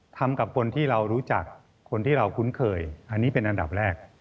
ทำกับคนที่เรารู้จักคนที่เราคุ้นเคยอันนี้เป็นอันดับแรก